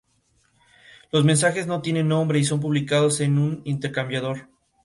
Los mensajes no tienen nombre y son publicados en un intercambiador.